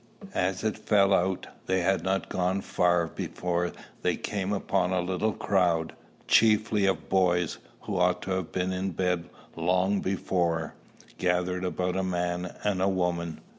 As it fell out, they had not gone far before they came upon a little crowd, chiefly of boys, who ought to have been in bed long before, gathered about a man and woman.